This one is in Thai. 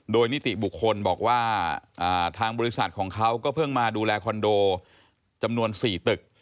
โดยนิติบุคคลบอกว่าทางบริษัทของเขาก็เพิ่งมาดูแลคอนโดจำนวน๔ตึก